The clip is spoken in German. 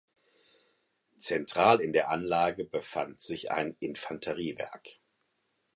Zentral in der Anlage befand sich ein Infanteriewerk.